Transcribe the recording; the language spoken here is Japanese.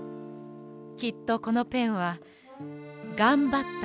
きっとこのペンはがんばったのね。